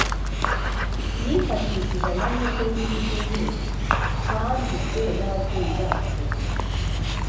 yifashishije amahirwe y’intege nke twandujwe n’ababyeyi bacu